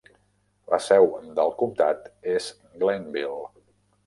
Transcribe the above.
La seu del comtat és Glenville.